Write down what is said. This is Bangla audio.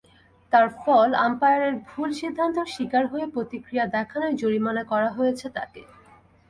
তার ফল—আম্পায়ারের ভুল সিদ্ধান্তের শিকার হয়ে প্রতিক্রিয়া দেখানোয় জরিমানা করা হয়েছে তাঁকে।